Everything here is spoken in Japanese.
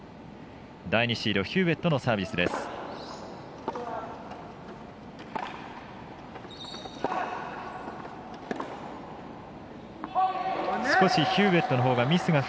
第２シードヒューウェットのサービスです。